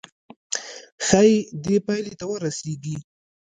ښايي دې پايلې ته ورسيږئ.